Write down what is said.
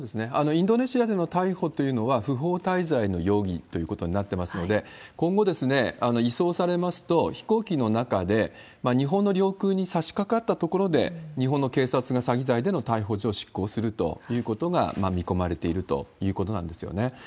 インドネシアでの逮捕というのは、不法滞在の容疑ということになってますので、今後、移送されますと、飛行機の中で、日本の領空にさしかかったところで、日本の警察が詐欺罪での逮捕状を執行するということが見込まれているということなんですよね。